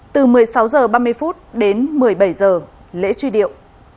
từ một mươi sáu h ba mươi đến một mươi bảy h lễ truy điệu